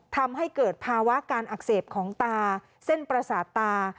ทำให้เกิดภาวะการอักเสบของตาเส้นประสาทตา